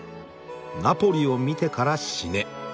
「ナポリを見てから死ね」。